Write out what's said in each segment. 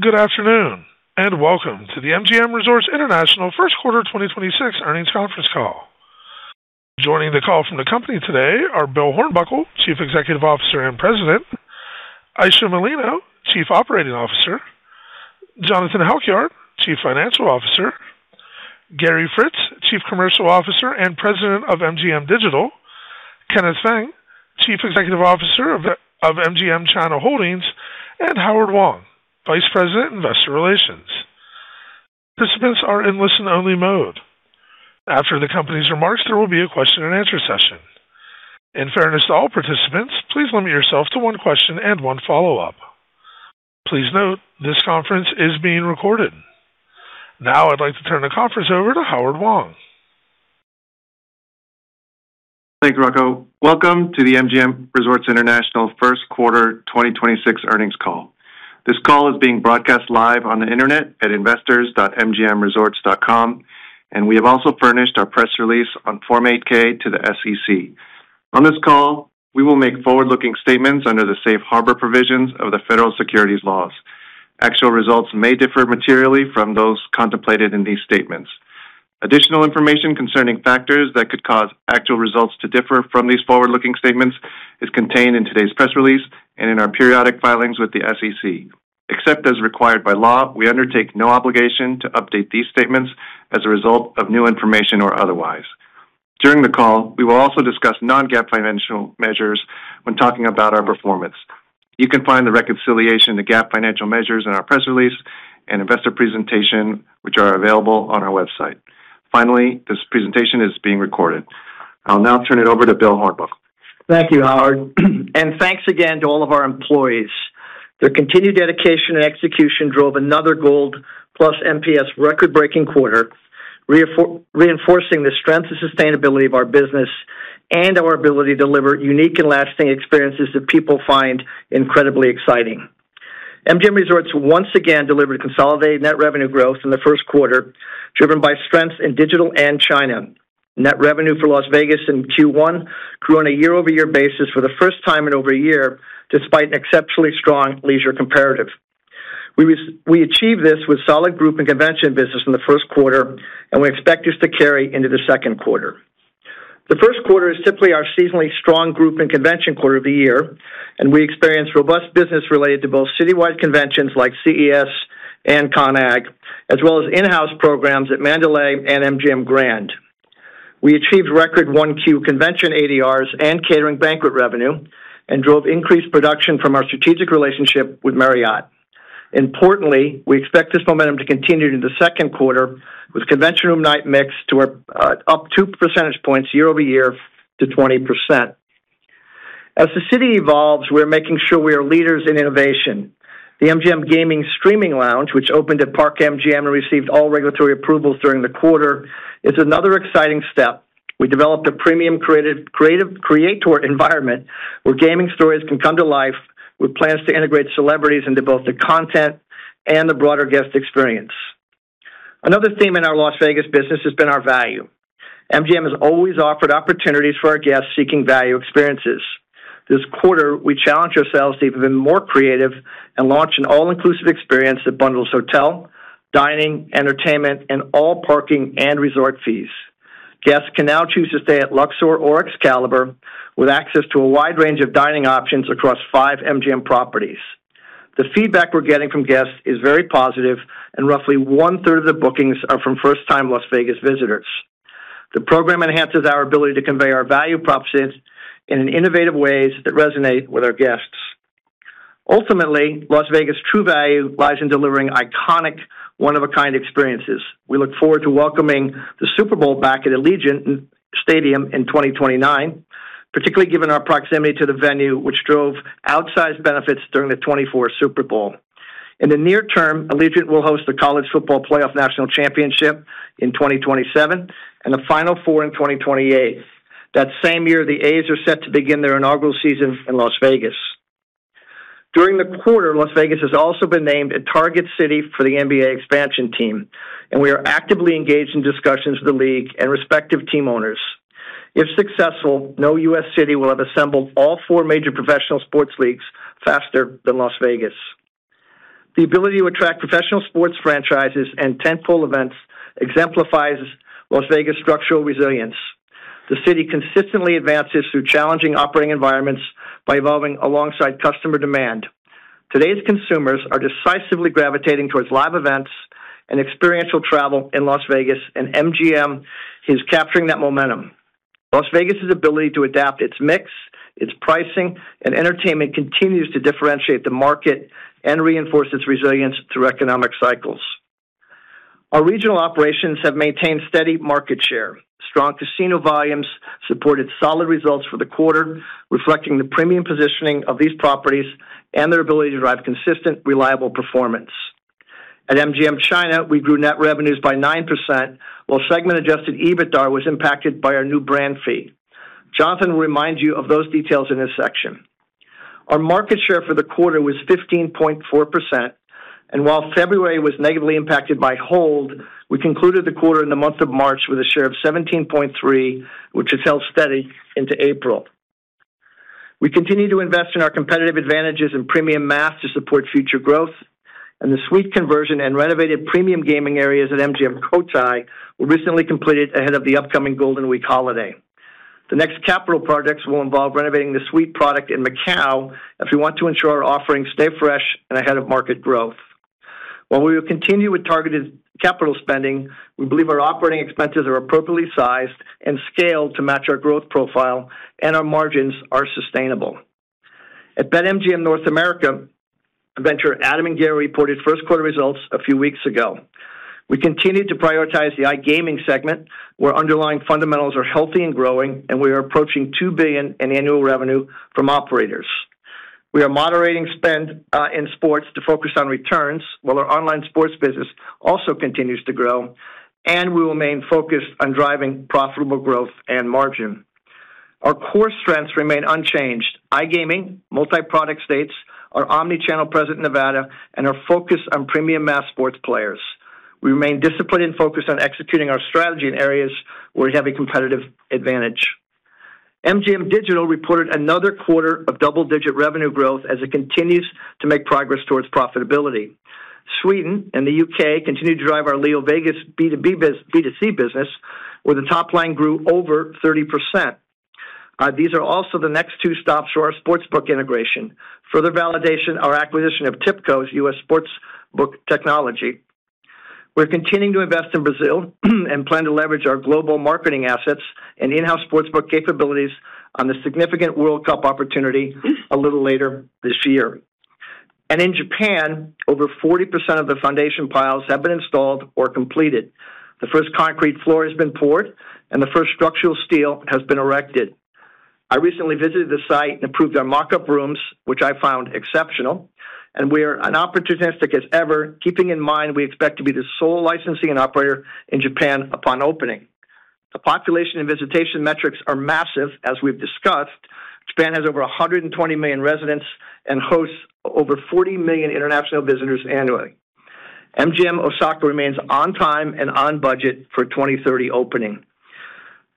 Good afternoon, and welcome to the MGM Resorts International Q1 2026 Earnings Conference Call. Joining the call from the company today are Bill Hornbuckle, Chief Executive Officer and President; Ayesha Molino, Chief Operating Officer; Jonathan Halkyard, Chief Financial Officer; Gary Fritz, Chief Commercial Officer and President of MGM Digital; Kenneth Feng, Chief Executive Officer of MGM China Holdings; and Howard Wang, Vice President, Investor Relations. Participants are in listen-only mode. After the company's remarks, there will be a question-and-answer session. In fairness to all participants, please limit yourself to one question and one follow-up. Please note, this conference is being recorded. Now I'd like to turn the conference over to Howard Wang. Thank you, Rocco. Welcome to the MGM Resorts International Q1 2026 Earnings Call. This call is being broadcast live on the internet at investors.mgmresorts.com, and we have also furnished our press release on Form 8-K to the SEC. On this call, we will make forward-looking statements under the safe harbor provisions of the federal securities laws. Actual results may differ materially from those contemplated in these statements. Additional information concerning factors that could cause actual results to differ from these forward-looking statements is contained in today's press release and in our periodic filings with the SEC. Except as required by law, we undertake no obligation to update these statements as a result of new information or otherwise. During the call, we will also discuss non-GAAP financial measures when talking about our performance. You can find the reconciliation to GAAP financial measures in our press release and investor presentation, which are available on our website. This presentation is being recorded. I'll now turn it over to Bill Hornbuckle. Thank you, Howard. Thanks again to all of our employees. Their continued dedication and execution drove another gold plus NPS record-breaking quarter, reinforcing the strength and sustainability of our business and our ability to deliver unique and lasting experiences that people find incredibly exciting. MGM Resorts once again delivered a consolidated net revenue growth in the Q1, driven by strengths in digital and China. Net revenue for Las Vegas in Q1 grew on a year-over-year basis for the first time in over a year, despite an exceptionally strong leisure comparative. We achieved this with solid group and convention business in the Q1, and we expect this to carry into the Q2. The Q1 is typically our seasonally strong group and convention quarter of the year. We experience robust business related to both citywide conventions like CES and CONEXPO-CON/AGG, as well as in-house programs at Mandalay and MGM Grand. We achieved record Q1 convention ADRs and catering banquet revenue and drove increased production from our strategic relationship with Marriott. Importantly, we expect this momentum to continue into the Q2 with convention room night mix up 2 percentage points year-over-year to 20%. As the city evolves, we are making sure we are leaders in innovation. The gaming salon at Park MGM, which opened at Park MGM and received all regulatory approvals during the quarter, is another exciting step. We developed a premium creative creator environment where gaming stories can come to life, with plans to integrate celebrities into both the content and the broader guest experience. Another theme in our Las Vegas business has been our value. MGM has always offered opportunities for our guests seeking value experiences. This quarter, we challenged ourselves to be even more creative and launch an all-inclusive experience that bundles hotel, dining, entertainment, and all parking and resort fees. Guests can now choose to stay at Luxor or Excalibur with access to a wide range of dining options across five MGM properties. The feedback we're getting from guests is very positive, and roughly one-third of the bookings are from first-time Las Vegas visitors. The program enhances our ability to convey our value proposition in an innovative ways that resonate with our guests. Ultimately, Las Vegas' true value lies in delivering iconic, one-of-a-kind experiences. We look forward to welcoming the Super Bowl back at Allegiant Stadium in 2029, particularly given our proximity to the venue, which drove outsized benefits during the 2024 Super Bowl. In the near term, Allegiant will host the College Football Playoff National Championship in 2027 and the Final Four in 2028. That same year, the A's are set to begin their inaugural season in Las Vegas. During the quarter, Las Vegas has also been named a target city for the NBA expansion team, and we are actively engaged in discussions with the league and respective team owners. If successful, no US city will have assembled all four major professional sports leagues faster than Las Vegas. The ability to attract professional sports franchises and tentpole events exemplifies Las Vegas structural resilience. The city consistently advances through challenging operating environments by evolving alongside customer demand. Today's consumers are decisively gravitating towards live events and experiential travel in Las Vegas, and MGM is capturing that momentum. Las Vegas' ability to adapt its mix, its pricing, and entertainment continues to differentiate the market and reinforce its resilience through economic cycles. Our regional operations have maintained steady market share. Strong casino volumes supported solid results for the quarter, reflecting the premium positioning of these properties and their ability to drive consistent, reliable performance. At MGM China, we grew net revenues by 9%, while segment adjusted EBITDA was impacted by our new brand fee. Jonathan will remind you of those details in this section. Our market share for the quarter was 15.4%, and while February was negatively impacted by hold, we concluded the quarter in the month of March with a share of 17.3%, which has held steady into April. We continue to invest in our competitive advantages in premium mass to support future growth, and the suite conversion and renovated premium gaming areas at MGM Cotai were recently completed ahead of the upcoming Golden Week holiday. The next capital projects will involve renovating the suite product in Macau as we want to ensure our offerings stay fresh and ahead of market growth. While we will continue with targeted capital spending, we believe our operating expenses are appropriately sized and scaled to match our growth profile, and our margins are sustainable. At BetMGM North America, venture Adam and Gary reported Q1 results a few weeks ago. We continue to prioritize the iGaming segment, where underlying fundamentals are healthy and growing, and we are approaching $2 billion in annual revenue from operators. We are moderating spend in sports to focus on returns while our online sports business also continues to grow, and we remain focused on driving profitable growth and margin. Our core strengths remain unchanged: iGaming, multi-product states, our omni-channel presence in Nevada, and our focus on premium mass sports players. We remain disciplined and focused on executing our strategy in areas where we have a competitive advantage. MGM Digital reported another quarter of double-digit revenue growth as it continues to make progress towards profitability. Sweden and the UK continue to drive our LeoVegas B2B B2C business, where the top line grew over 30%. These are also the next two stops for our sportsbook integration. Further validation, our acquisition of Tipico's US sportsbook technology. We're continuing to invest in Brazil and plan to leverage our global marketing assets and in-house sportsbook capabilities on the significant World Cup opportunity a little later this year. In Japan, over 40% of the foundation piles have been installed or completed. The first concrete floor has been poured, and the first structural steel has been erected. I recently visited the site and approved our mock-up rooms, which I found exceptional, and we are as opportunistic as ever, keeping in mind we expect to be the sole licensing and operator in Japan upon opening. The population and visitation metrics are massive, as we've discussed. Japan has over 120 million residents and hosts over 40 million international visitors annually. MGM Osaka remains on time and on budget for 2030 opening.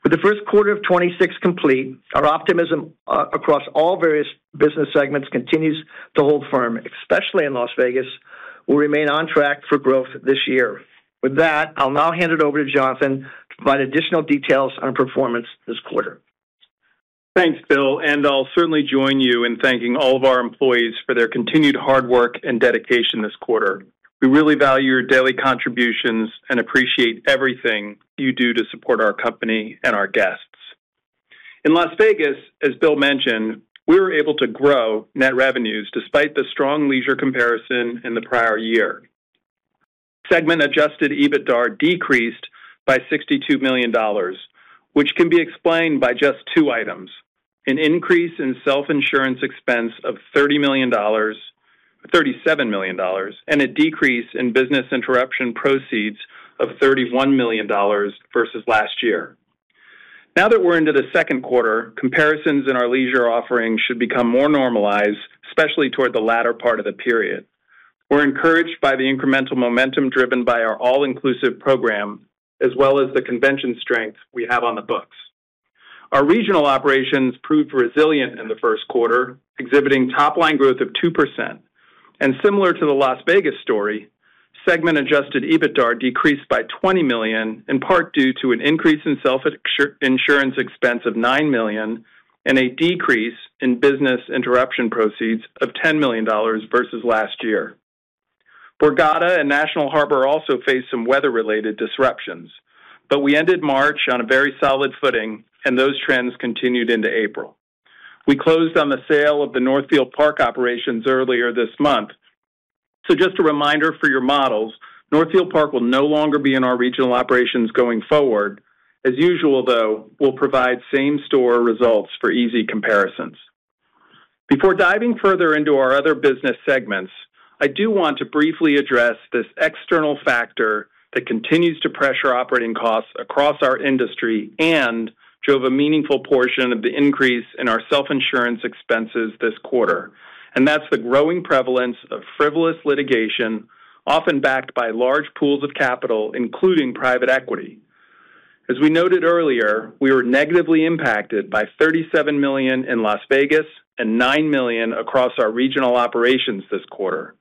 With the Q1 of 2026 complete, our optimism across all various business segments continues to hold firm, especially in Las Vegas, will remain on track for growth this year. With that, I'll now hand it over to Jonathan to provide additional details on our performance this quarter. Thanks, Bill. I'll certainly join you in thanking all of our employees for their continued hard work and dedication this quarter. We really value your daily contributions and appreciate everything you do to support our company and our guests. In Las Vegas, as Bill mentioned, we were able to grow net revenues despite the strong leisure comparison in the prior year. Segment adjusted EBITDAR decreased by $62 million, which can be explained by just two items: an increase in self-insurance expense of $37 million and a decrease in business interruption proceeds of $31 million versus last year. Now that we're into the Q2, comparisons in our leisure offerings should become more normalized, especially toward the latter part of the period. We're encouraged by the incremental momentum driven by our all-inclusive program, as well as the convention strength we have on the books. Our regional operations proved resilient in the Q1, exhibiting top-line growth of 2%. Similar to the Las Vegas story, segment-adjusted EBITDAR decreased by $20 million, in part due to an increase in self-insurance expense of $9 million and a decrease in business interruption proceeds of $10 million versus last year. Borgata and National Harbor also faced some weather-related disruptions. We ended March on a very solid footing. Those trends continued into April. We closed on the sale of the Northfield Park operations earlier this month. Just a reminder for your models, Northfield Park will no longer be in our regional operations going forward. As usual, though, we'll provide same-store results for easy comparisons. Before diving further into our other business segments, I do want to briefly address this external factor that continues to pressure operating costs across our industry and drove a meaningful portion of the increase in our self-insurance expenses this quarter. That's the growing prevalence of frivolous litigation, often backed by large pools of capital, including private equity. As we noted earlier, we were negatively impacted by $37 million in Las Vegas and $9 million across our regional operations this quarter.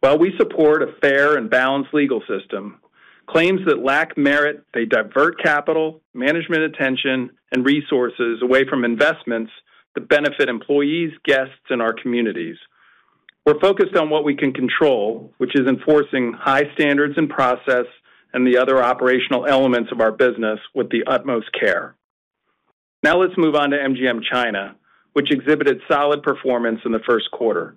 While we support a fair and balanced legal system, claims that lack merit, they divert capital, management attention, and resources away from investments that benefit employees, guests, and our communities. We're focused on what we can control, which is enforcing high standards and process and the other operational elements of our business with the utmost care. Now let's move on to MGM China, which exhibited solid performance in the Q1.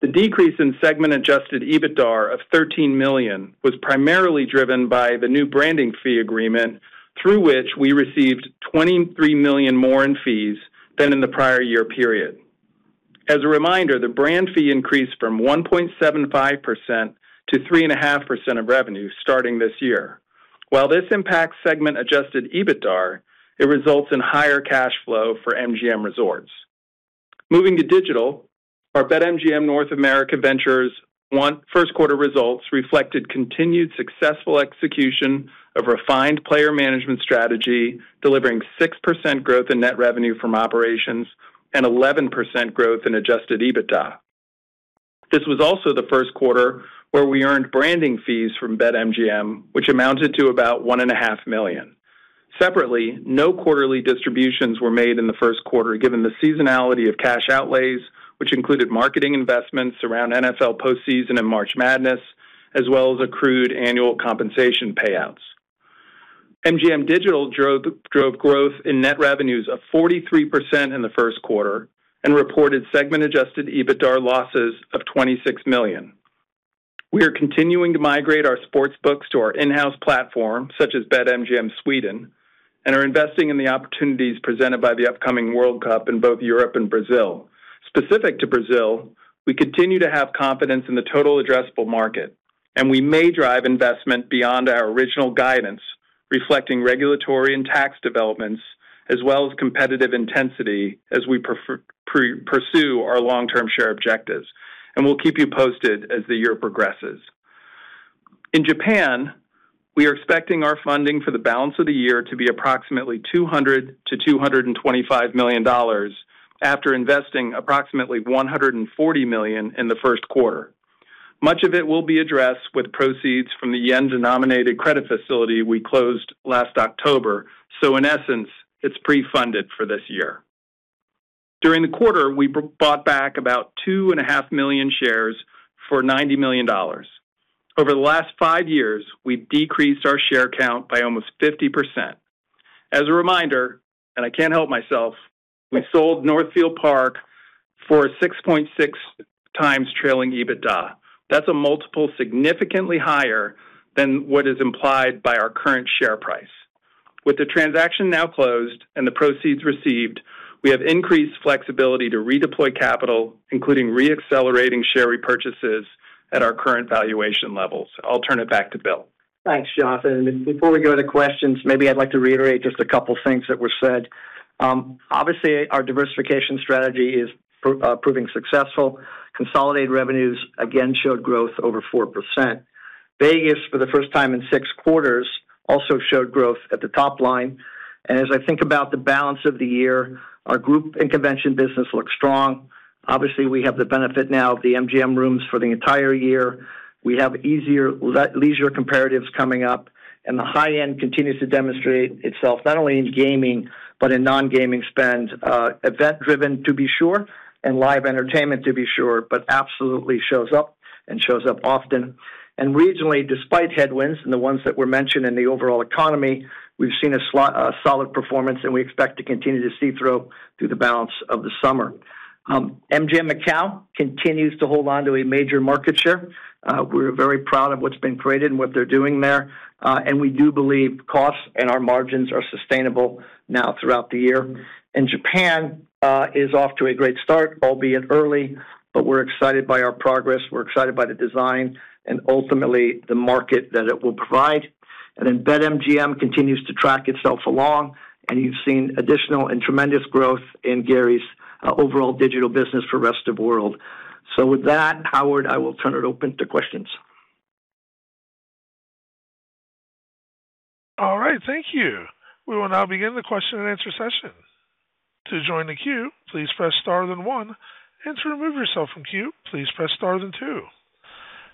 The decrease in segment-adjusted EBITDAR of $13 million was primarily driven by the new branding fee agreement through which we received $23 million more in fees than in the prior year period. As a reminder, the brand fee increased from 1.75% to 3.5% of revenue starting this year. While this impacts segment-adjusted EBITDAR, it results in higher cash flow for MGM Resorts. Moving to digital-Our BetMGM North America ventures won Q1 results reflected continued successful execution of refined player management strategy, delivering 6% growth in net revenue from operations and 11% growth in adjusted EBITDA. This was also the Q1 where we earned branding fees from BetMGM, which amounted to about $1.5 million. Separately, no quarterly distributions were made in the Q1, given the seasonality of cash outlays, which included marketing investments around NFL postseason and March Madness, as well as accrued annual compensation payouts. MGM Digital drove growth in net revenues of 43% in the Q1 and reported segment adjusted EBITDA losses of $26 million. We are continuing to migrate our sports books to our in-house platform, such as BetMGM Sweden, and are investing in the opportunities presented by the upcoming World Cup in both Europe and Brazil. Specific to Brazil, we continue to have confidence in the total addressable market, we may drive investment beyond our original guidance, reflecting regulatory and tax developments as well as competitive intensity as we pursue our long-term share objectives. We'll keep you posted as the year progresses. In Japan, we are expecting our funding for the balance of the year to be approximately $200 million-$225 million after investing approximately $140 million in the Q1. Much of it will be addressed with proceeds from the yen-denominated credit facility we closed last October. In essence, it's pre-funded for this year. During the quarter, we bought back about 2.5 million shares for $90 million. Over the last five years, we've decreased our share count by almost 50%. As a reminder, I can't help myself, we sold Northfield Park for a 6.6x trailing EBITDA. That's a multiple significantly higher than what is implied by our current share price. With the transaction now closed and the proceeds received, we have increased flexibility to redeploy capital, including re-accelerating share repurchases at our current valuation levels. I'll turn it back to Bill. Thanks, Jonathan. Before we go to questions, maybe I'd like to reiterate just a couple of things that were said. Obviously, our diversification strategy is proving successful. Consolidated revenues, again, showed growth over 4%. Vegas, for the first time in six quarters, also showed growth at the top line. As I think about the balance of the year, our group and convention business looks strong. Obviously, we have the benefit now of the MGM rooms for the entire year. We have easier leisure comparatives coming up, and the high-end continues to demonstrate itself not only in gaming but in non-gaming spend, event-driven to be sure, and live entertainment to be sure, but absolutely shows up and shows up often. Regionally, despite headwinds and the ones that were mentioned in the overall economy, we've seen a solid performance, and we expect to continue to see through the balance of the summer. MGM Macau continues to hold on to a major market share. We're very proud of what's been created and what they're doing there. We do believe costs and our margins are sustainable now throughout the year. Japan is off to a great start, albeit early, but we're excited by our progress, we're excited by the design and ultimately the market that it will provide. BetMGM continues to track itself along, and you've seen additional and tremendous growth in Gary's overall Digital business for rest of world. With that, Howard, I will turn it open to questions. All right. Thank you. We will now begin the question and answer session.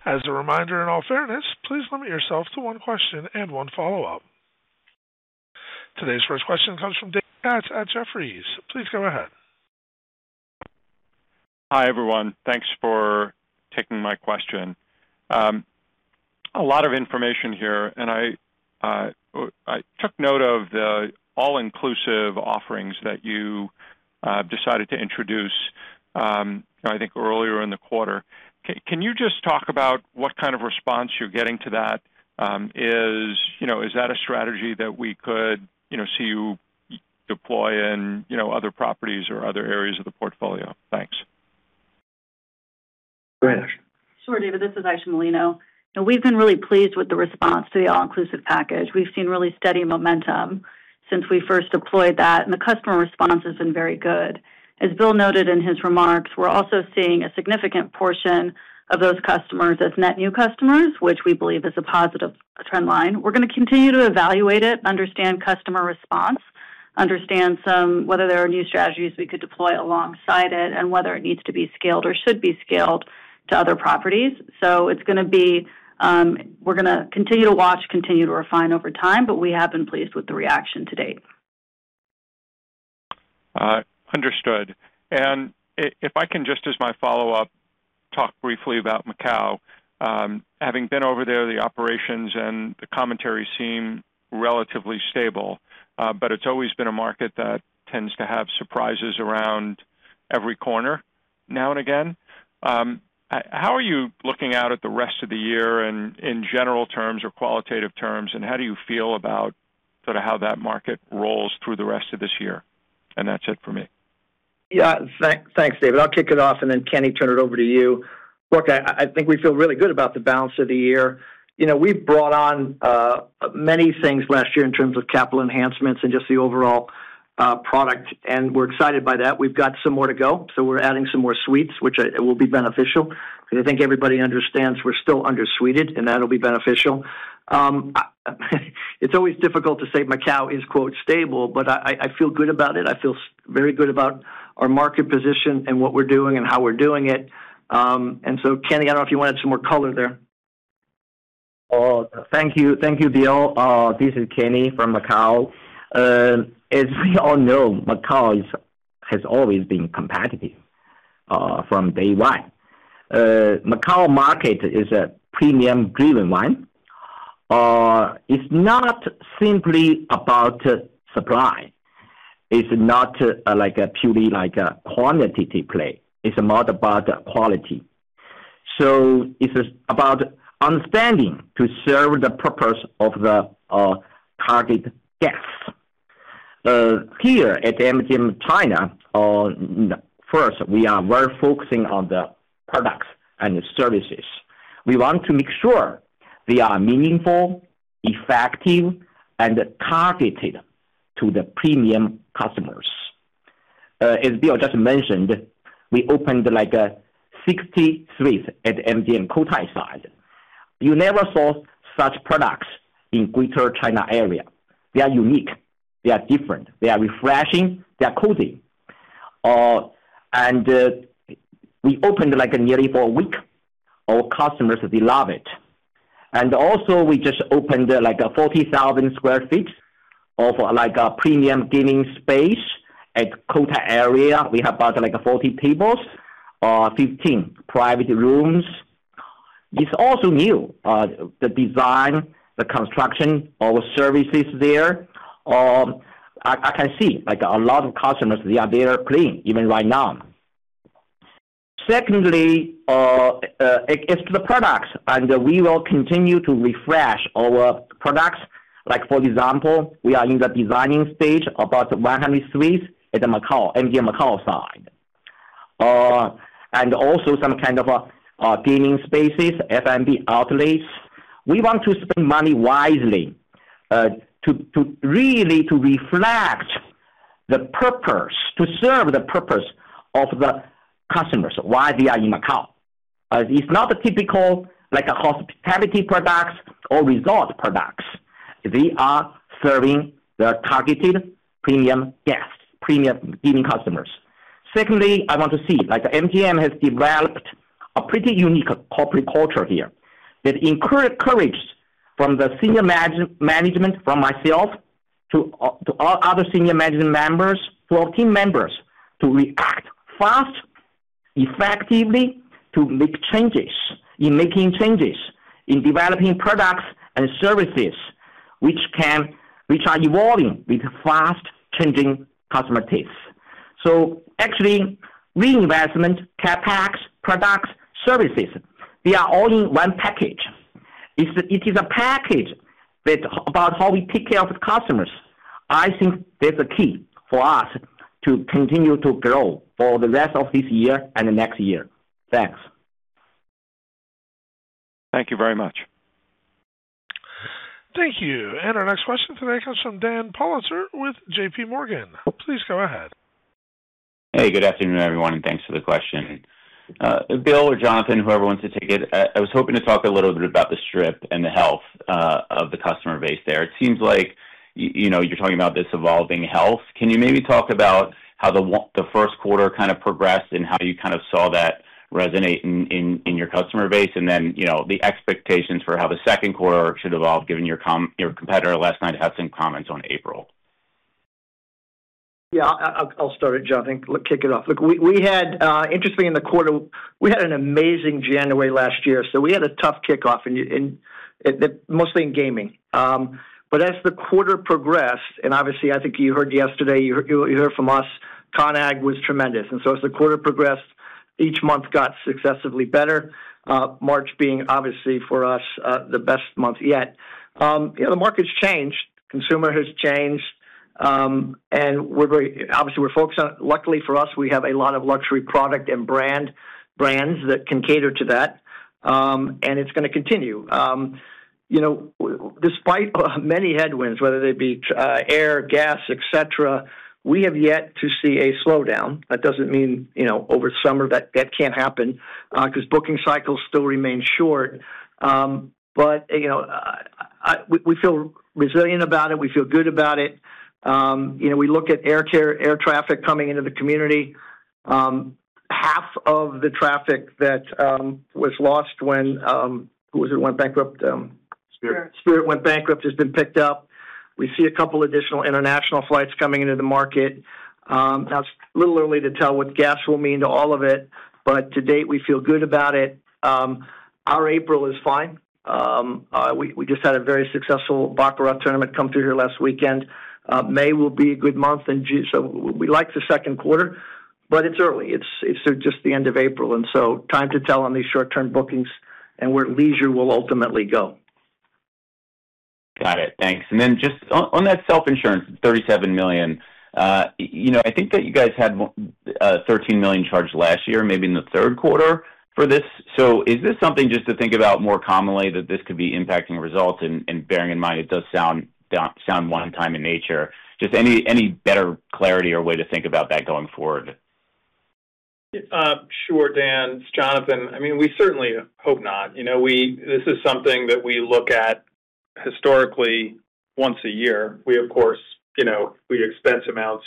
As a reminder, in all fairness, please limit yourself to one question and one follow-up. Today's first question comes from David Katz at Jefferies. Please go ahead. Hi, everyone. Thanks for taking my question. A lot of information here, and I took note of the all-inclusive offerings that you decided to introduce, I think earlier in the quarter. Can you just talk about what kind of response you're getting to that? Is, you know, is that a strategy that we could, you know, see you deploy in, you know, other properties or other areas of the portfolio? Thanks. Go ahead, Ayesha. Sure, David. This is Ayesha Molino. We've been really pleased with the response to the all-inclusive package. We've seen really steady momentum since we first deployed that, and the customer response has been very good. As Bill noted in his remarks, we're also seeing a significant portion of those customers as net new customers, which we believe is a positive trend line. We're going to continue to evaluate it, understand customer response, understand whether there are new strategies we could deploy alongside it, and whether it needs to be scaled or should be scaled to other properties. It's gonna be. We're gonna continue to watch, continue to refine over time, but we have been pleased with the reaction to date. Understood. If I can just as my follow-up, talk briefly about Macau. Having been over there, the operations and the commentary seem relatively stable, but it's always been a market that tends to have surprises around every corner now and again. How are you looking out at the rest of the year and in general terms or qualitative terms, and how do you feel about sort of how that market rolls through the rest of this year? That's it for me. Thanks, David. I'll kick it off. Kenny, turn it over to you. I think we feel really good about the balance of the year. You know, we've brought on many things last year in terms of capital enhancements and just the overall product. We're excited by that. We've got some more to go. We're adding some more suites, which it will be beneficial because I think everybody understands we're still under-suited. That'll be beneficial. It's always difficult to say Macau is "stable." I feel good about it. I feel very good about our market position and what we're doing and how we're doing it. Kenny, I don't know if you wanted some more color there. Oh, thank you. Thank you, Bill. This is Kenneth from Macau. As we all know, Macau has always been competitive from day one. Macau market is a premium-driven one. It's not simply about supply. It's not like a purely quantitative play. It's more about quality. It is about understanding to serve the purpose of the target guests. Here at MGM China, first, we are very focusing on the products and the services. We want to make sure they are meaningful, effective, and targeted to the premium customers. As Bill just mentioned, we opened, like, 63 at the MGM Cotai site. You never saw such products in Greater China region. They are unique. They are different. They are refreshing. They are cozy. We opened, like, nearly for 1 week. Our customers, they love it. Also, we just opened 40,000 square feet of premium gaming space at Cotai. We have about 40 tables, 15 private rooms. It's also new, the design, the construction, our services there. I can see a lot of customers, they are there playing even right now. Secondly, it's the products. We will continue to refresh our products. For example, we are in the designing stage about 100 suites at the MGM Macau side. Also some kind of gaming spaces, F&B outlets. We want to spend money wisely to really to reflect the purpose, to serve the purpose of the customers, why they are in Macau. It's not a typical hospitality products or resort products. They are serving the targeted premium guests, premium gaming customers. Secondly, I want to see, like MGM has developed a pretty unique corporate culture here that encourage from the senior management, from myself to all other senior management members, for our team members to react fast, effectively, to make changes, in making changes, in developing products and services which are evolving with fast-changing customer tastes. Actually, reinvestment, CapEx, products, services, they are all in one package. It is a package about how we take care of the customers. I think that's the key for us to continue to grow for the rest of this year and the next year. Thanks. Thank you very much. Thank you. Our next question today comes from Daniel Politzer with JPMorgan. Please go ahead. Hey, good afternoon, everyone, and thanks for the question. Bill or Jonathan, whoever wants to take it, I was hoping to talk a little bit about the Strip and the health of the customer base there. It seems like, you know, you're talking about this evolving health. Can you maybe talk about how the Q1 kind of progressed and how you kind of saw that resonate in your customer base? Then, you know, the expectations for how the Q2 should evolve, given your competitor last night had some comments on April. Yeah. I'll start it, Jonathan. Kick it off. Look, we had interestingly in the quarter, we had an amazing January last year, so we had a tough kickoff and mostly in gaming. As the quarter progressed, and obviously, I think you heard yesterday, you hear it from us, CONAG was tremendous. As the quarter progressed, each month got successively better. March being obviously for us, the best month yet. You know, the market's changed. Consumer has changed. Obviously, we're focused on luckily for us, we have a lot of luxury product and brands that can cater to that. It's gonna continue. You know, despite many headwinds, whether they be air, gas, et cetera, we have yet to see a slowdown. That doesn't mean, you know, over summer that can't happen, 'cause booking cycles still remain short. You know, we feel resilient about it. We feel good about it. You know, we look at air traffic coming into the community. Half of the traffic that was lost when who was it went bankrupt. Spirit. Spirit Airlines went bankrupt, has been picked up. We see two additional international flights coming into the market. Now it's a little early to tell what gas will mean to all of it, to date, we feel good about it. Our April is fine. We just had a very successful Baccarat tournament come through here last weekend. May will be a good month, June. We like the Q2, it's early. It's just the end of April, time to tell on these short-term bookings and where leisure will ultimately go. Got it. Thanks. Then just on that self-insurance, $37 million, you know, I think that you guys had $13 million charged last year, maybe in the Q3 for this. Is this something just to think about more commonly that this could be impacting results and bearing in mind it does sound one time in nature? Just any better clarity or way to think about that going forward? Sure, Dan. It's Jonathan. I mean, we certainly hope not. You know, this is something that we look at historically once a year. We of course, you know, we expense amounts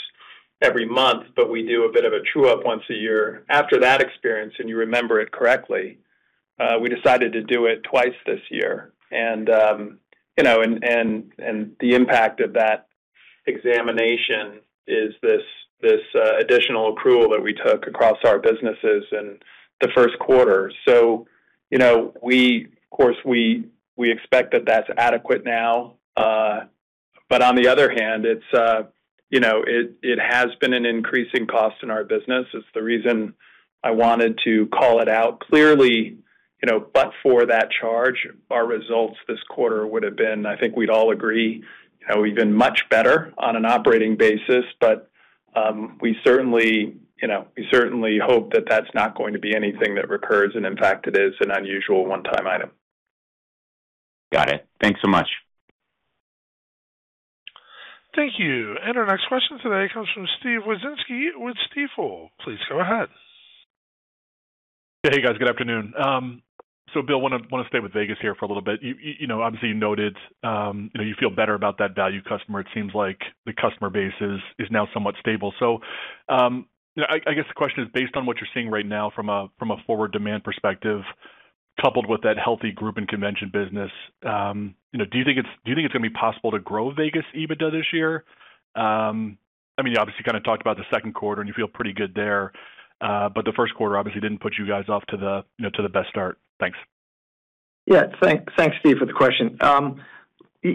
every month, but we do a bit of a true up once a year. After that experience, and you remember it correctly, we decided to do it twice this year. You know, the impact of that examination is this additional accrual that we took across our businesses in the Q1. You know, of course, we expect that that's adequate now. On the other hand, it's, you know, it has been an increasing cost in our business. It's the reason I wanted to call it out. Clearly, you know, but for that charge, our results this quarter would have been. I think we'd all agree how we've been much better on an operating basis. We certainly, you know, we certainly hope that that's not going to be anything that recurs, and in fact, it is an unusual one-time item. Got it. Thanks so much. Thank you. Our next question today comes from Steven Wieczynski with Stifel. Please go ahead. Hey, guys. Good afternoon. Bill, wanna stay with Vegas here for a little bit. You know, obviously, you noted, you know, you feel better about that value customer. It seems like the customer base is now somewhat stable. You know, I guess the question is, based on what you're seeing right now from a forward demand perspective, coupled with that healthy group and convention business, you know, do you think it's gonna be possible to grow Vegas EBITDA this year? I mean, you obviously kind of talked about the Q2, and you feel pretty good there. The Q1 obviously didn't put you guys off to the, you know, to the best start. Thanks. Thanks, Steve, for the question. I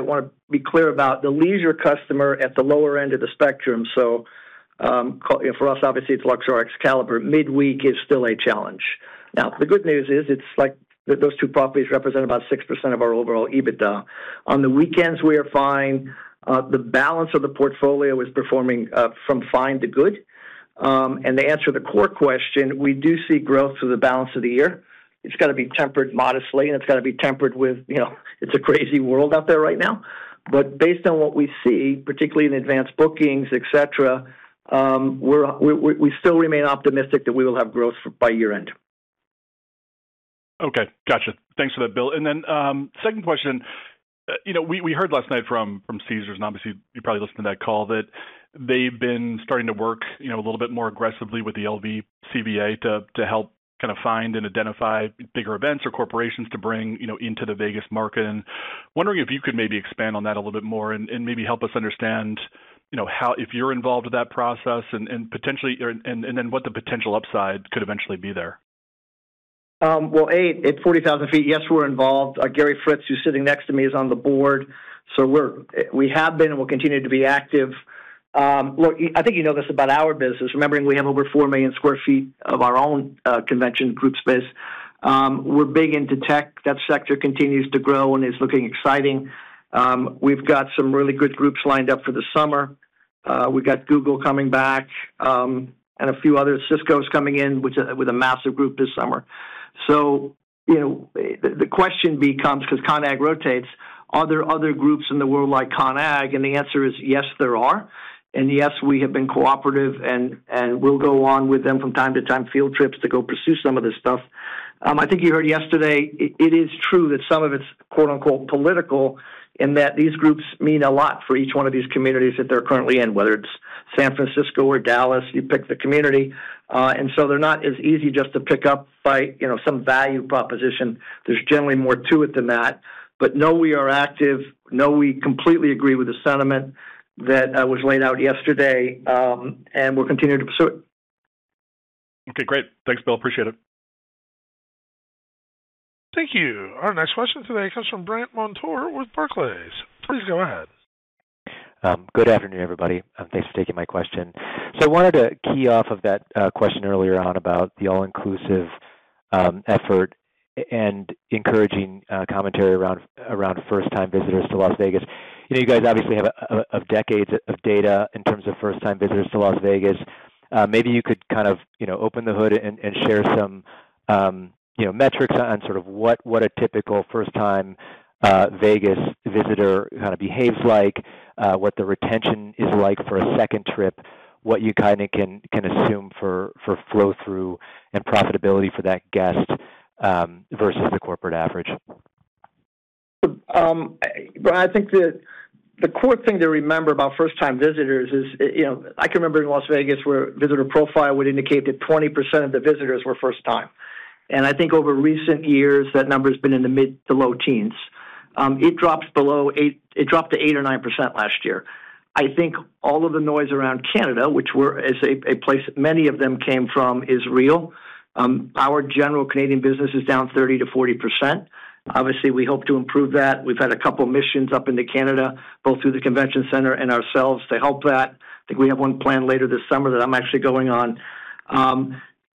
wanna be clear about the leisure customer at the lower end of the spectrum. You know, for us, obviously, it's Luxor, Excalibur. Midweek is still a challenge. The good news is, it's like those two properties represent about 6% of our overall EBITDA. On the weekends, we are fine. The balance of the portfolio is performing from fine to good. To answer the core question, we do see growth through the balance of the year. It's gotta be tempered modestly, it's gotta be tempered with, you know, it's a crazy world out there right now. Based on what we see, particularly in advanced bookings, et cetera, we still remain optimistic that we will have growth by year end. Okay. Gotcha. Thanks for that, Bill. Second question. You know, we heard last night from Caesars Entertainment, and obviously you probably listened to that call, that they've been starting to work, you know, a little bit more aggressively with the LVCVA to help kind of find and identify bigger events or corporations to bring, you know, into the Vegas market. Wondering if you could maybe expand on that a little bit more and maybe help us understand, you know, if you're involved with that process and potentially, or and then what the potential upside could eventually be there. Well, A, at 40,000 feet, yes, we're involved. Gary Fritz, who's sitting next to me, is on the board. We're, we have been and will continue to be active. Look, I think you know this about our business. Remembering we have over 4 million sq ft of our own, convention group space. We're big into tech. That sector continues to grow and is looking exciting. We've got some really good groups lined up for the summer. We've got Google coming back, and a few others. Cisco's coming in with a massive group this summer. You know, the question becomes, 'cause CONAG rotates, are there other groups in the world like CONAG? And the answer is yes, there are. Yes, we have been cooperative and we'll go on with them from time to time, field trips to go pursue some of this stuff. I think you heard yesterday it is true that some of it's quote-unquote, political, in that these groups mean a lot for each one of these communities that they're currently in, whether it's San Francisco or Dallas, you pick the community. They're not as easy just to pick up by, you know, some value proposition. There's generally more to it than that. No, we are active. No, we completely agree with the sentiment that was laid out yesterday, we'll continue to pursue it. Okay, great. Thanks, Bill. Appreciate it. Thank you. Our next question today comes from Brandt Montour with Barclays. Please go ahead. Good afternoon, everybody. Thanks for taking my question. I wanted to key off of that question earlier on about the all-inclusive effort and encouraging commentary around first-time visitors to Las Vegas. You know, you guys obviously have a decades of data in terms of first-time visitors to Las Vegas. Maybe you could kind of, you know, open the hood and share some, you know, metrics on sort of what a typical first-time Vegas visitor kinda behaves like, what the retention is like for a second trip, what you kinda can assume for flow through and profitability for that guest versus the corporate average? I think the core thing to remember about first-time visitors is, you know, I can remember in Las Vegas where visitor profile would indicate that 20% of the visitors were first time. I think over recent years, that number has been in the mid to low teens. It dropped to 8% or 9% last year. I think all of the noise around Canada, which is a place many of them came from, is real. Our general Canadian business is down 30%-40%. Obviously, we hope to improve that. We've had a couple missions up into Canada, both through the convention center and ourselves to help that. I think we have one planned later this summer that I'm actually going on.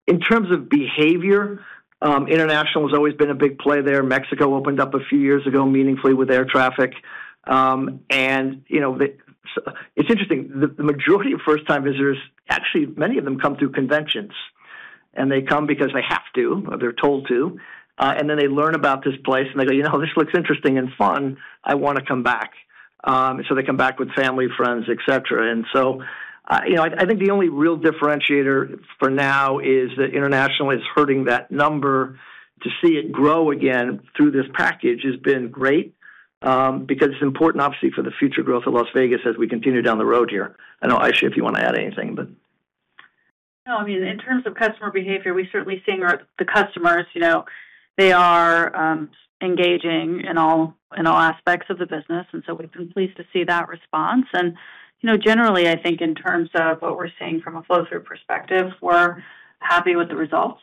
In terms of behavior, international has always been a big play there. Mexico opened up a few years ago meaningfully with air traffic. You know, it's interesting, the majority of first time visitors, actually, many of them come through conventions, and they come because they have to or they're told to, and then they learn about this place, and they go, "You know, this looks interesting and fun. I wanna come back." So they come back with family, friends, et cetera. You know, I think the only real differentiator for now is that international is hurting that number. To see it grow again through this package has been great, because it's important obviously for the future growth of Las Vegas as we continue down the road here. I know, Ayesha, if you wanna add anything, but. No, I mean, in terms of customer behavior, we're certainly seeing the customers, you know, they are engaging in all aspects of the business, and so we've been pleased to see that response. You know, generally, I think in terms of what we're seeing from a flow through perspective, we're happy with the results.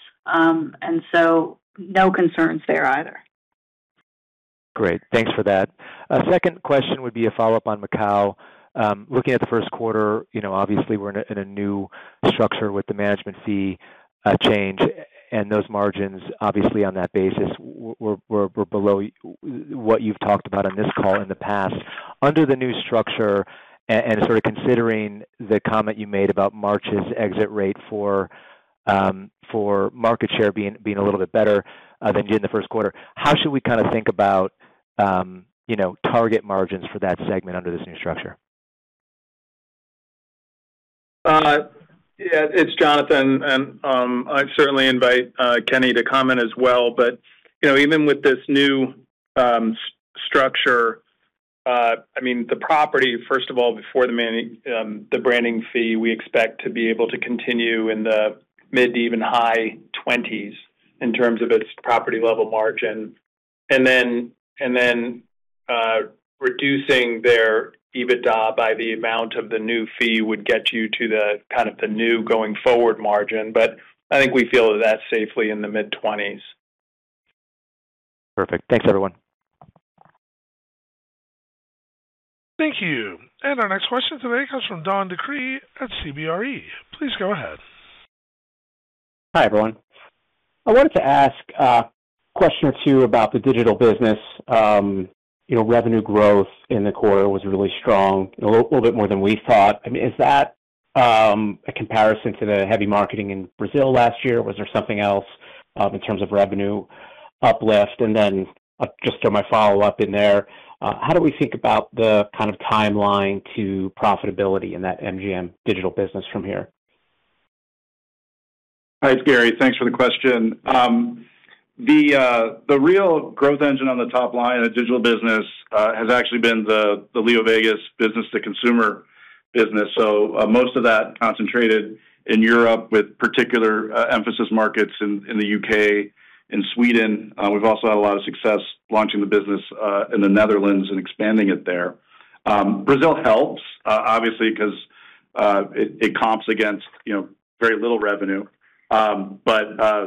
No concerns there either. Great. Thanks for that. A second question would be a follow-up on Macau. Looking at the Q1, you know, obviously we're in a new structure with the management fee change, and those margins obviously on that basis were below what you've talked about on this call in the past. Under the new structure and sort of considering the comment you made about March's exit rate for market share being a little bit better than June the Q1, how should we kinda think about, you know, target margins for that segment under this new structure? Yeah, it's Jonathan, and I certainly invite Kenny to comment as well. You know, even with this new structure, I mean, the property, first of all, before the branding fee, we expect to be able to continue in the mid to even high 20s in terms of its property level margin. Then, reducing their EBITDA by the amount of the new fee would get you to the kind of the new going forward margin. I think we feel that that's safely in the mid-20s. Perfect. Thanks, everyone. Thank you. Our next question today comes from John DeCree at CBRE. Please go ahead. Hi, everyone. I wanted to ask a question or two about the MGM Digital business. You know, revenue growth in the quarter was really strong and a little bit more than we thought. I mean, is that a comparison to the heavy marketing in Brazil last year? Was there something else in terms of revenue uplift? Just throw my follow-up in there, how do we think about the kind of timeline to profitability in that MGM Digital business from here? Hi, it's Gary. Thanks for the question. The real growth engine on the top line of the digital business has actually been the LeoVegas business to consumer business. Most of that concentrated in Europe with particular emphasis markets in the UK and Sweden. We've also had a lot of success launching the business in the Netherlands and expanding it there. Brazil helps, obviously because it comps against, you know, very little revenue.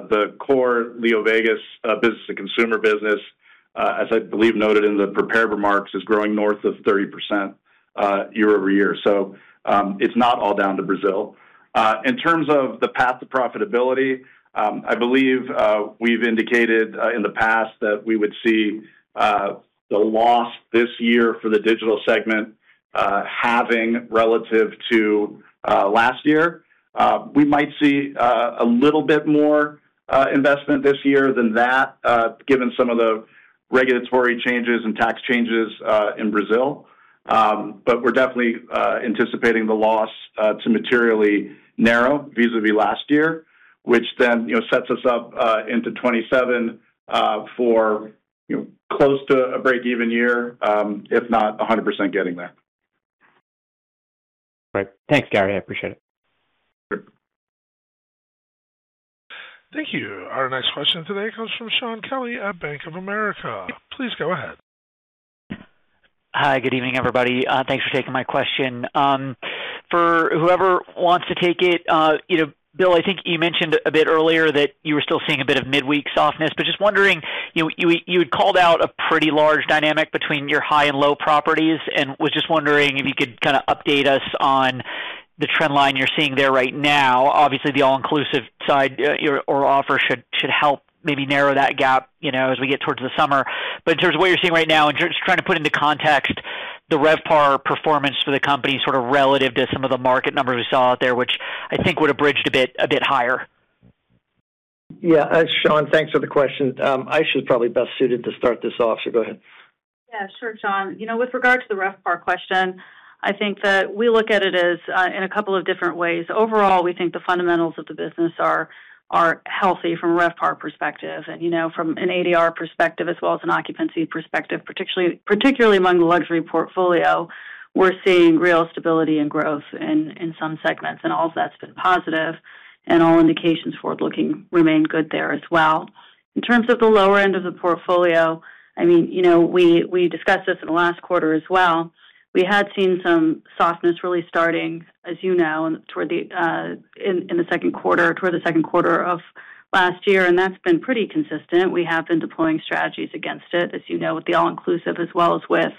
The core LeoVegas business to consumer business, as I believe noted in the prepared remarks, is growing north of 30% year-over-year. It's not all down to Brazil. In terms of the path to profitability, I believe we've indicated in the past that we would see the loss this year for the digital segment halving relative to last year. We might see a little bit more investment this year than that, given some of the regulatory changes and tax changes in Brazil. We're definitely anticipating the loss to materially narrow vis-à-vis last year, which then, you know, sets us up into 2027 for, you know, close to a break-even year, if not 100% getting there. Great. Thanks, Gary. I appreciate it. Sure. Thank you. Our next question today comes from Shaun Kelley at Bank of America. Please go ahead. Hi. Good evening, everybody. Thanks for taking my question. For whoever wants to take it, you know, Bill, I think you mentioned a bit earlier that you were still seeing a bit of midweek softness. Just wondering, you had called out a pretty large dynamic between your high and low properties and was just wondering if you could kind of update us on the trend line you're seeing there right now. Obviously, the all-inclusive side or offer should help maybe narrow that gap, you know, as we get towards the summer. In terms of what you're seeing right now and just trying to put into context the RevPAR performance for the company, sort of relative to some of the market numbers we saw out there, which I think would've bridged a bit higher. Yeah. Shaun, thanks for the question. Ayesha's probably best suited to start this off, so go ahead. Yeah, sure, Shaun. You know, with regard to the RevPAR question, I think that we look at it as in a couple of different ways. Overall, we think the fundamentals of the business are healthy from a RevPAR perspective and, you know, from an ADR perspective as well as an occupancy perspective, particularly among the luxury portfolio. We're seeing real stability and growth in some segments. All of that's been positive and all indications forward-looking remain good there as well. In terms of the lower end of the portfolio, I mean, you know, we discussed this in the last quarter as well. We had seen some softness really starting, as you know, in toward the Q2 of last year. That's been pretty consistent. We have been deploying strategies against it, as you know, with the all-inclusive as well as with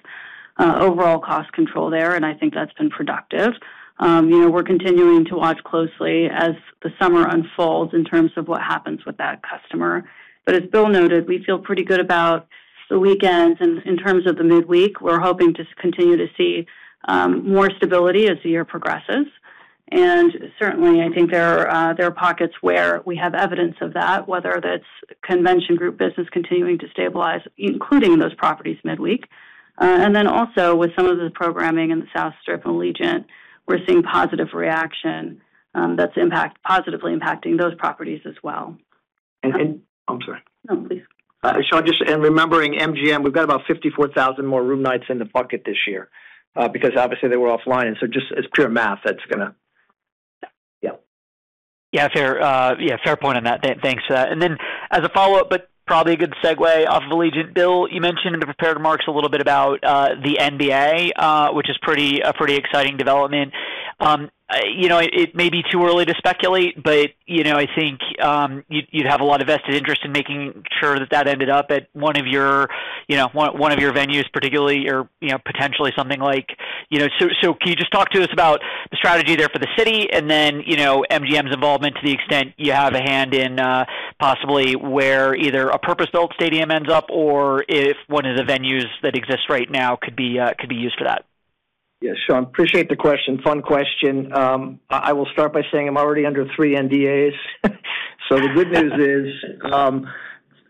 overall cost control there. I think that's been productive. You know, we're continuing to watch closely as the summer unfolds in terms of what happens with that customer. As Bill noted, we feel pretty good about the weekends. In terms of the midweek, we're hoping to continue to see more stability as the year progresses. Certainly, I think there are pockets where we have evidence of that, whether that's convention group business continuing to stabilize, including those properties midweek. Also with some of the programming in the South Strip and Allegiant, we're seeing positive reaction that's positively impacting those properties as well. I'm sorry. No, please. Shaun, and remembering MGM, we've got about 54,000 more room nights in the bucket this year, because obviously they were offline. It's pure math that's gonna. Yep. Yeah, fair. Yeah, fair point on that. Thanks for that. As a follow-up, probably a good segue off of Allegiant. Bill, you mentioned in the prepared remarks a little bit about the NBA, which is a pretty exciting development. You know, it may be too early to speculate, you know, I think, you'd have a lot of vested interest in making sure that that ended up at one of your, you know, one of your venues particularly or, you know, potentially something like. You know, so can you just talk to us about the strategy there for the city and then, you know, MGM's involvement to the extent you have a hand in, possibly where either a purpose-built stadium ends up or if one of the venues that exists right now could be used for that? Yeah, Shaun, appreciate the question. Fun question. I will start by saying I'm already under three NDAs. The good news is,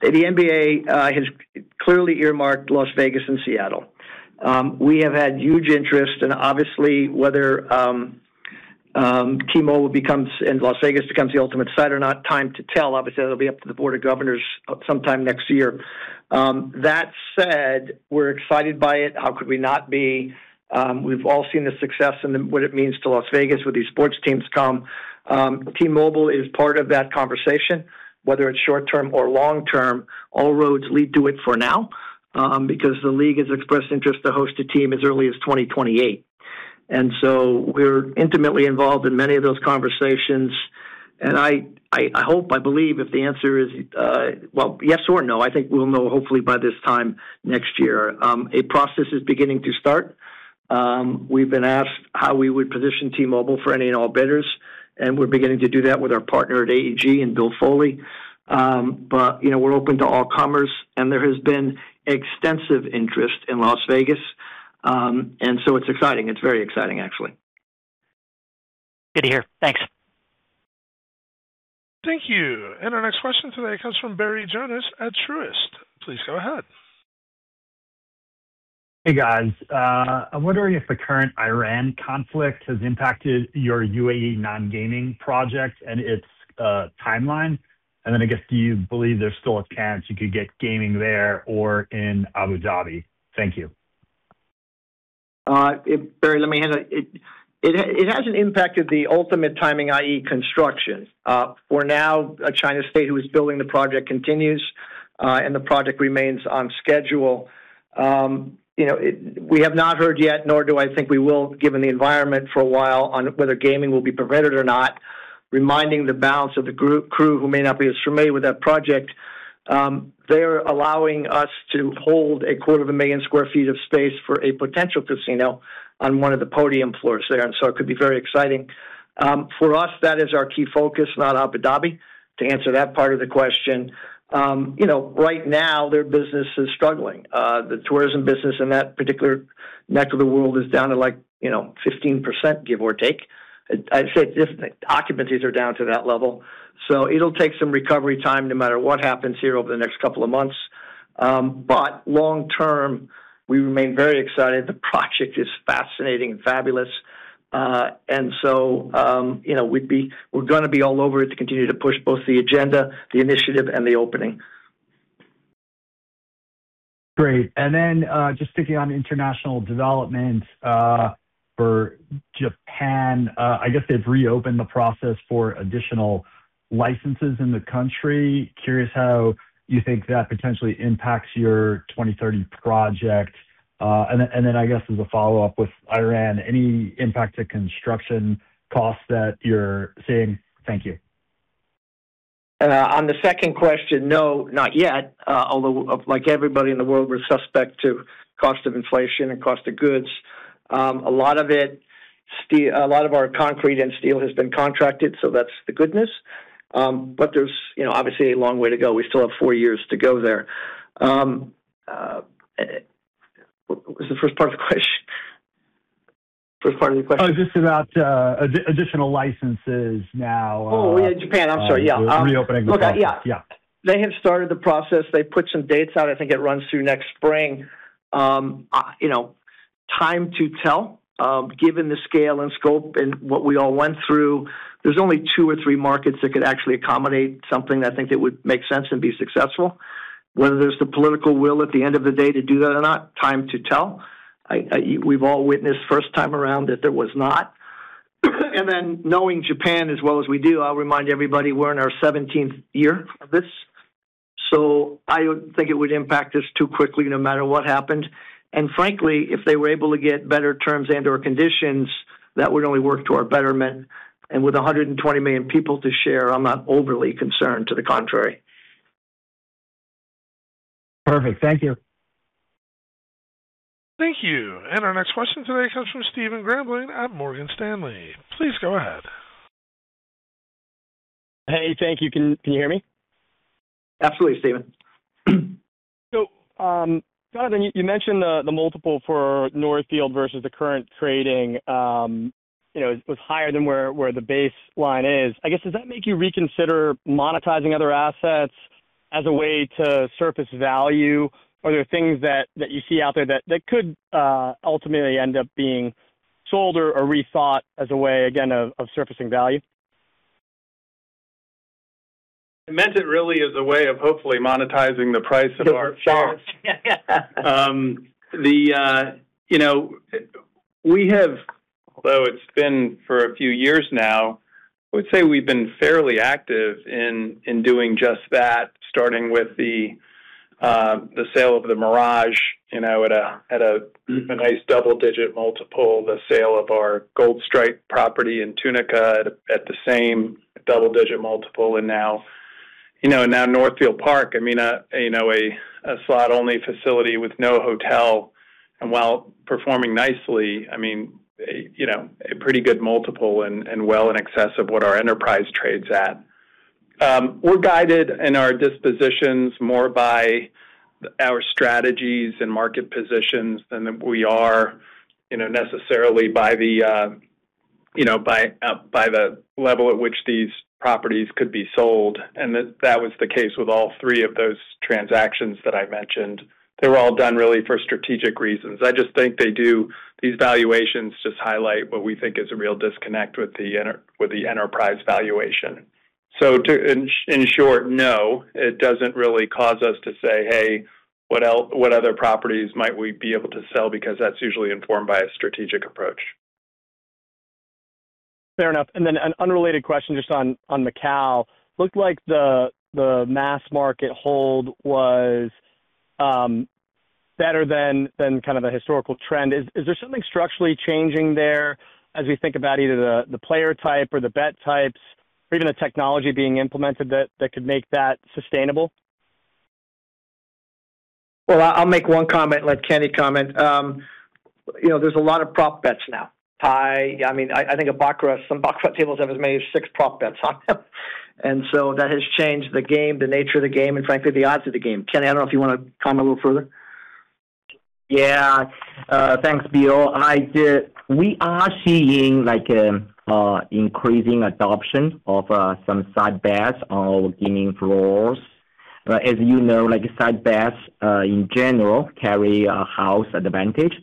the NBA has clearly earmarked Las Vegas and Seattle. We have had huge interest and obviously whether and Las Vegas becomes the ultimate site or not, time to tell. That'll be up to the board of governors sometime next year. That said, we're excited by it. How could we not be? We've all seen the success and then what it means to Las Vegas when these sports teams come. T-Mobile is part of that conversation, whether it's short-term or long-term, all roads lead to it for now, because the league has expressed interest to host a team as early as 2028. We're intimately involved in many of those conversations. I hope, I believe if the answer is, well, yes or no, I think we'll know hopefully by this time next year. A process is beginning to start. We've been asked how we would position T-Mobile for any and all bidders, and we're beginning to do that with our partner at AEG and Bill Foley. You know, we're open to all comers, and there has been extensive interest in Las Vegas. It's exciting. It's very exciting, actually. Good to hear. Thanks. Thank you. Our next question today comes from Barry Jonas at Truist. Please go ahead. Hey, guys. I'm wondering if the current Iran conflict has impacted your UAE non-gaming project and its timeline. Then I guess, do you believe there's still a chance you could get gaming there or in Abu Dhabi? Thank you. Barry, let me handle it. It hasn't impacted the ultimate timing, i.e., construction. For now, China State, who is building the project, continues, and the project remains on schedule. You know, we have not heard yet, nor do I think we will, given the environment for a while, on whether gaming will be permitted or not, reminding the balance of the group-crew who may not be as familiar with that project. They're allowing us to hold a quarter of a million sq ft of space for a potential casino on one of the podium floors there, it could be very exciting. For us, that is our key focus, not Abu Dhabi, to answer that part of the question. You know, right now, their business is struggling. The tourism business in that particular neck of the world is down to like, you know, 15%, give or take. I'd say occupancies are down to that level. It'll take some recovery time no matter what happens here over the next couple of months. Long term, we remain very excited. The project is fascinating and fabulous. You know, we're gonna be all over it to continue to push both the agenda, the initiative, and the opening. Great. Just sticking on international development, for Japan, I guess they've reopened the process for additional licenses in the country. Curious how you think that potentially impacts your 2030 project. I guess as a follow-up with Iran, any impact to construction costs that you're seeing? Thank you. On the second question, no, not yet. Although, like everybody in the world, we're suspect to cost of inflation and cost of goods. A lot of it, a lot of our concrete and steel has been contracted, so that's the goodness. There's, you know, obviously a long way to go. We still have four years to go there. What was the first part of the question? First part of your question? Oh, just about additional licenses now. Oh, yeah, Japan, I'm sorry, yeah. reopening the process. Yeah. Yeah. They have started the process. They put some dates out. I think it runs through next spring. You know, time to tell, given the scale and scope and what we all went through, there's only two or three markets that could actually accommodate something I think that would make sense and be successful. Whether there's the political will at the end of the day to do that or not, time to tell. We've all witnessed first time around that there was not. Knowing Japan as well as we do, I'll remind everybody we're in our seventeenth year of this, so I don't think it would impact us too quickly no matter what happened. Frankly, if they were able to get better terms and/or conditions, that would only work to our betterment. With 120 million people to share, I'm not overly concerned to the contrary. Perfect. Thank you. Thank you. Our next question today comes from Stephen Grambling at Morgan Stanley. Please go ahead. Hey. Thank you. Can you hear me? Absolutely, Stephen. Jonathan, you mentioned the multiple for Northfield versus the current trading, you know, was higher than where the baseline is. Does that make you reconsider monetizing other assets as a way to surface value? Are there things that you see out there that could ultimately end up being sold or rethought as a way, again, of surfacing value? I meant it really as a way of hopefully monetizing the price of our shares. The, you know, we have, although it's been for a few years now, I would say we've been fairly active in doing just that, starting with the sale of the Mirage, you know, at a, at a nice double-digit multiple, the sale of our Gold Strike property in Tunica at a, at the same double-digit multiple. Now, you know, Northfield Park, I mean, a, you know, a slot-only facility with no hotel. While performing nicely, I mean, a, you know, a pretty good multiple and well in excess of what our enterprise trades at. We're guided in our dispositions more by our strategies and market positions than we are, you know, necessarily by the, you know, by the level at which these properties could be sold, and that was the case with all three of those transactions that I mentioned. I just think these valuations just highlight what we think is a real disconnect with the enterprise valuation. In short, no, it doesn't really cause us to say, "Hey, what other properties might we be able to sell?" That's usually informed by a strategic approach. Fair enough. An unrelated question just on Macau. Looked like the mass market hold was better than kind of the historical trend. Is there something structurally changing there as we think about either the player type or the bet types or even the technology being implemented that could make that sustainable? Well, I'll make one comment and let Kenny comment. you know, there's a lot of prop bets now. I mean, I think some baccarat tables have as many as six prop bets on them. That has changed the game, the nature of the game, and frankly, the odds of the game. Kenny, I don't know if you wanna comment a little further. Yeah. Thanks, Bill. We are seeing increasing adoption of some side bets on gaming floors. As you know, side bets in general carry a house advantage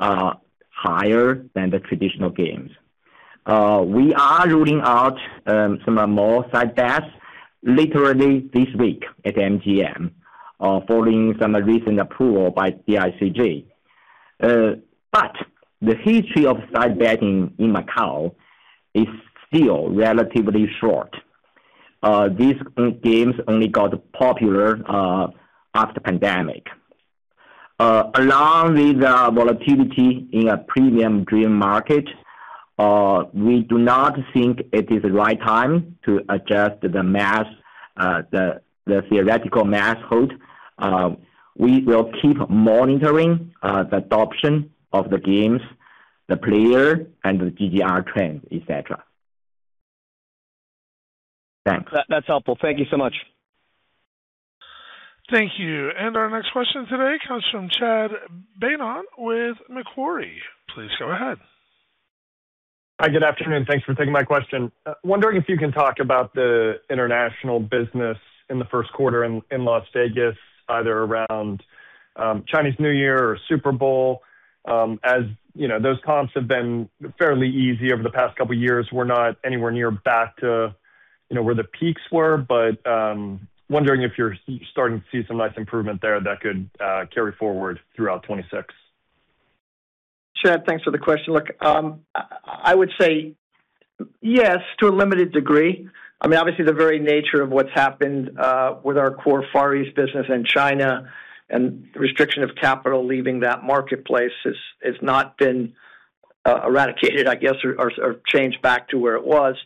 higher than the traditional games. We are rolling out some more side bets literally this week at MGM, following some recent approval by DICJ. The history of side betting in Macau is still relatively short. These games only got popular after pandemic. Along with the volatility in a premium dream market, we do not think it is the right time to adjust the mass, the theoretical mass hold. We will keep monitoring the adoption of the games, the player and the GGR trends, et cetera. Thanks. That's helpful. Thank you so much. Thank you. Our next question today comes from Chad Beynon with Macquarie. Please go ahead. Hi. Good afternoon. Thanks for taking my question. Wondering if you can talk about the international business in the Q1 in Las Vegas, either around Chinese New Year or Super Bowl. As, you know, those comps have been fairly easy over the past couple years. We're not anywhere near back to, you know, where the peaks were, but wondering if you're starting to see some nice improvement there that could carry forward throughout 2026. Chad, thanks for the question. Look, I would say yes, to a limited degree. I mean, obviously, the very nature of what's happened with our core Far East business in China and restriction of capital leaving that marketplace has not been eradicated, I guess, or changed back to where it was.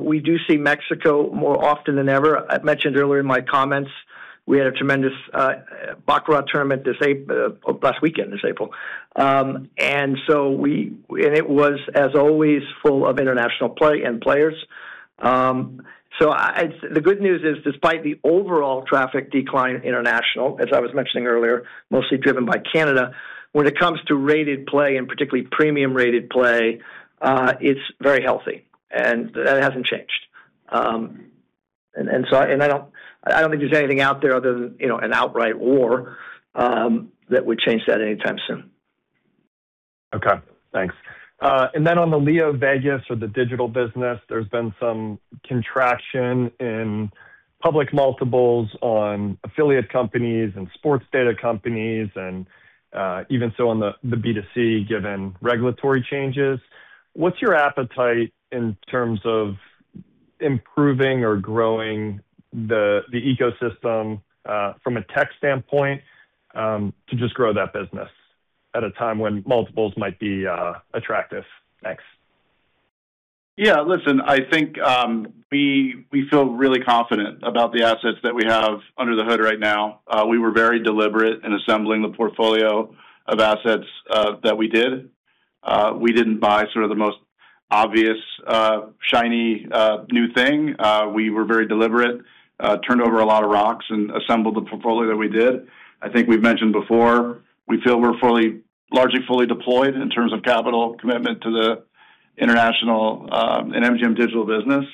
We do see Mexico more often than ever. I mentioned earlier in my comments we had a tremendous baccarat tournament last weekend, this April. It was, as always, full of international play and players. The good news is, despite the overall traffic decline international, as I was mentioning earlier, mostly driven by Canada, when it comes to rated play, and particularly premium-rated play, it's very healthy, and that hasn't changed. I don't think there's anything out there other than, you know, an outright war, that would change that anytime soon. Okay, thanks. On the LeoVegas or the digital business, there's been some contraction in public multiples on affiliate companies and sports data companies, even so on the B2C, given regulatory changes. What's your appetite in terms of improving or growing the ecosystem from a tech standpoint to just grow that business at a time when multiples might be attractive? Thanks. Yeah, listen, I think we feel really confident about the assets that we have under the hood right now. We were very deliberate in assembling the portfolio of assets that we did. We didn't buy sort of the most obvious, shiny, new thing. We were very deliberate, turned over a lot of rocks and assembled the portfolio that we did. I think we've mentioned before, we feel we're largely fully deployed in terms of capital commitment to the international and MGM Digital business.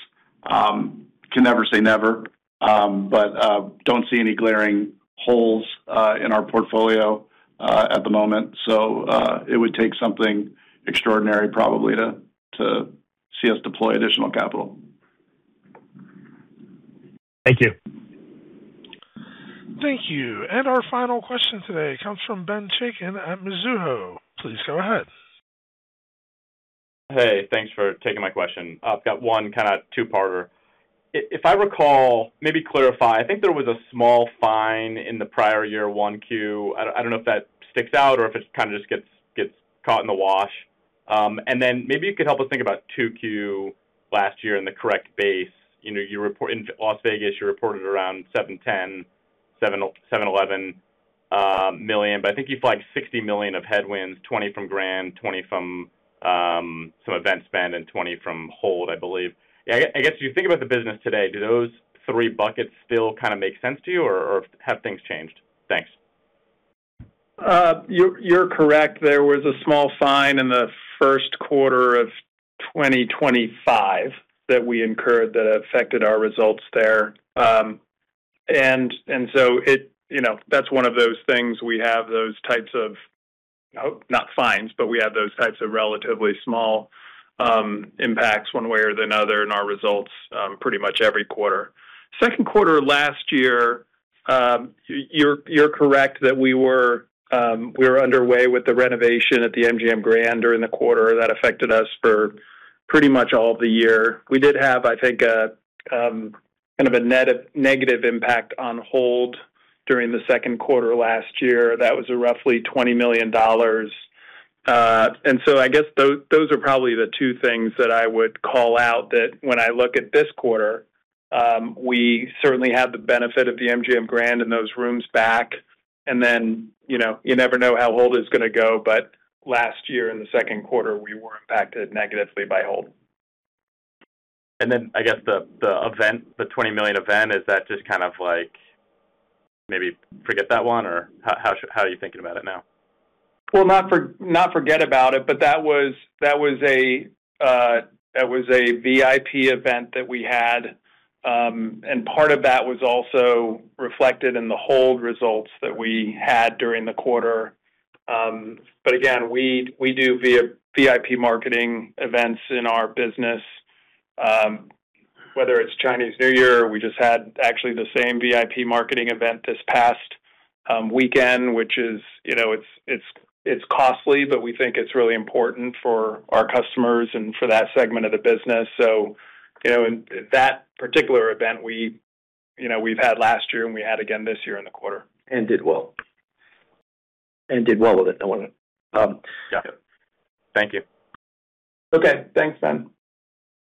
Can never say never, don't see any glaring holes in our portfolio at the moment. It would take something extraordinary probably to see us deploy additional capital. Thank you. Thank you. Our final question today comes from Ben Chaiken at Mizuho. Please go ahead. Hey, thanks for taking my question. I've got one kind a two-parter. If I recall, maybe clarify, I think there was a small fine in the prior year Q1. I don't know if that sticks out or if it's kinda just caught in the wash. Maybe you could help us think about Q2 last year and the correct base. You know, in Las Vegas, you reported around $710 million, $711 million. I think you flagged $60 million of headwinds, $20 million from Grand, $20 million from some event spend, and $20 million from hold, I believe. Yeah, I guess, you think about the business today, do those three buckets still kinda make sense to you or have things changed? Thanks. You, you're correct. There was a small fine in the Q1 of 2025 that we incurred that affected our results there. You know, that's one of those things, we have those types of, not fines, but we have those types of relatively small impacts one way or another in our results pretty much every quarter. Q2 last year, you're correct that we were underway with the renovation at the MGM Grand during the quarter. That affected us for pretty much all of the year. We did have, I think, a kind of a negative impact on hold during the Q2 last year. That was a roughly $20 million. I guess those are probably the two things that I would call out that when I look at this quarter, we certainly have the benefit of the MGM Grand and those rooms back. You know, you never know how old it's gonna go, but last year in the Q2, we were impacted negatively by Hold. Then I guess the event, the $20 million event, is that just kind of like maybe forget that one or how are you thinking about it now? Well, not forget about it, that was a VIP event that we had. Part of that was also reflected in the Hold results that we had during the quarter. Again, we do V-VIP marketing events in our business. Whether it's Chinese New Year, we just had actually the same VIP marketing event this past weekend, which is, you know, it's costly, we think it's really important for our customers and for that segment of the business. You know, that particular event we've had last year and we had again this year in the quarter. Did well. Did well with it, I want to. Yeah. Thank you. Okay, thanks, Ben.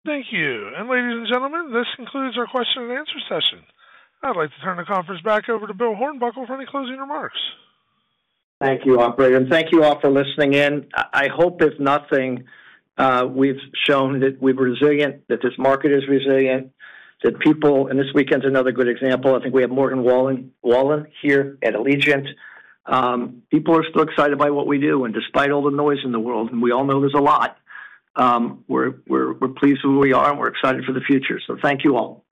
Thank you. Ladies and gentlemen, this concludes our question and answer session. I'd like to turn the conference back over to Bill Hornbuckle for any closing remarks. Thank you, operator, and thank you all for listening in. I hope if nothing, we've shown that we're resilient, that this market is resilient, that people. This weekend's another good example. I think we have Morgan Wallen here at Allegiant. People are still excited by what we do and despite all the noise in the world, and we all know there's a lot, we're pleased with where we are and we're excited for the future. Thank you all.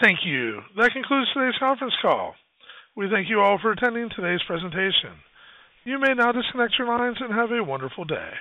Thank you. That concludes today's conference call. We thank you all for attending today's presentation. You may now disconnect your lines and have a wonderful day.